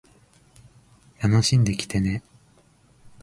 楽しんできてね